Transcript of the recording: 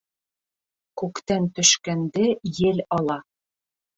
Күктән төшкәнде ел ала.